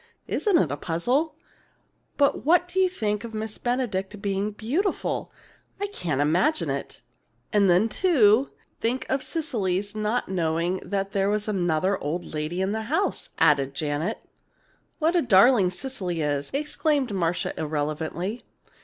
Isn't it a puzzle? But what do you think of Miss Benedict being beautiful! I can't imagine it!" "And then, too, think of Cecily's not knowing there was another old lady in the house!" added Janet. "What a darling Cecily is!" exclaimed Marcia, irrelevantly.